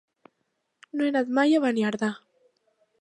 No he anat mai a Beniardà.